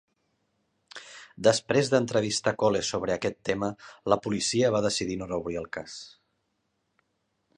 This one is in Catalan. Després d'entrevistar Cole sobre aquest tema, la policia va decidir no reobrir el cas.